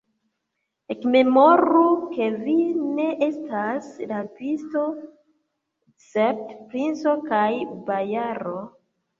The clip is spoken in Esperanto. Ekmemoru, ke vi ne estas rabisto, sed princo kaj bojaro!